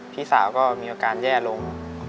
พี่สาวก็มีอาการแย่ลง